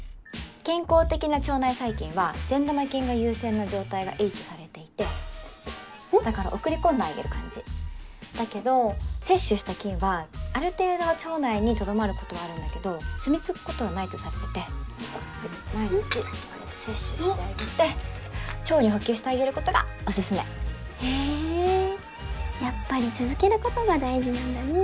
健康的な腸内細菌は善玉菌が優勢な状態がいいとされていてだから送り込んであげる感じだけど摂取した菌はある程度は腸内にとどまることはあるんだけどすみつくことはないとされててはい毎日こうやって摂取してあげて腸に補給してあげることがオススメへえやっぱり続けることが大事なんだね